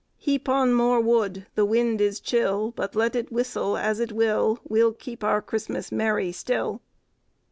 "Heap on more wood—the wind is chill; But let it whistle as it will, We'll keep our Christmas merry still."